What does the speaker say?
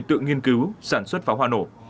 tự nghiên cứu sản xuất pháo hoa nổ